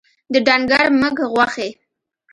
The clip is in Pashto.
د ډنګر مږ غوښي